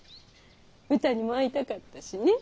うたにも会いたかったしね。